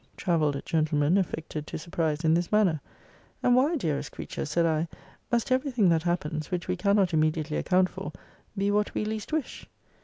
Travelled gentlemen affected to surprise in this manner. And why, dearest creature, said I, must every thing that happens, which we cannot immediately account for, be what we least wish?